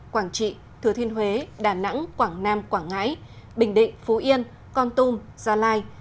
quảng trị thừa thiên huế đà nẵng quảng nam quảng ngãi bình định phú yên con tum gia lai